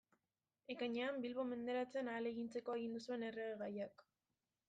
Ekainean Bilbo menderatzen ahalegintzeko agindu zuen Erregegaiak.